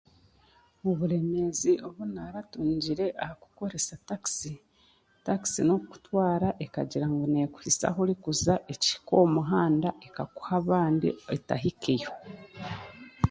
Oburemeezi obu naaratungire okuzesa takisi, takisi n'okutwara ekagira ngu n'ekuhisya ahu orikuja okihika omu muhanda ekakuha abandi etahikeyo